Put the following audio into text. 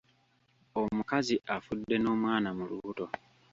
Omukazi afudde n’omwana mu lubuto.